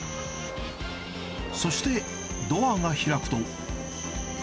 そして、ドアが開くと。